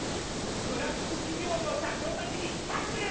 ブラック企業の社長たちにタックル！